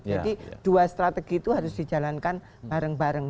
jadi dua strategi itu harus dijalankan bareng bareng